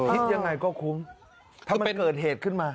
คิดยังไงก็คุ้มถ้ามันเกิดเหตุขึ้นมา